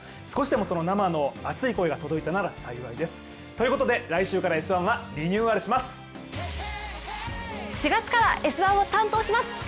少しでも生の熱い声が届いたなら幸いです。ということで来週から「Ｓ☆１」はリニューアルします。